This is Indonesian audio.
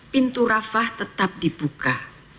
pintu rafah tetap dibuka